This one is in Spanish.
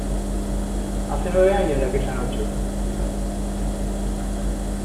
Hace nueve años de aquella noche.